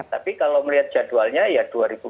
tapi kalau melihat jadwalnya ya dua ribu dua puluh